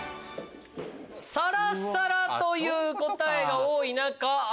サラサラという答えが多い中。